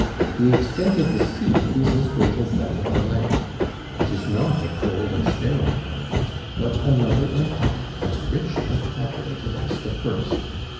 The extent of the sea is as great as that of the land. It is not a cold and sterile element, but another empire as rich and populated as the first.